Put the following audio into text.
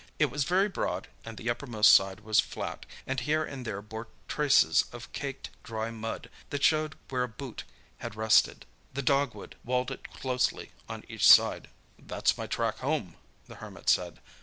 It was very broad and the uppermost side was flat, and here and there bore traces of caked, dry mud that showed where a boot had rested. The dogwood walled it closely on each side. "That's my track home," the Hermit said.